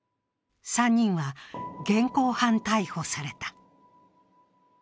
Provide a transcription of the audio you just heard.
３人は現行犯逮捕された。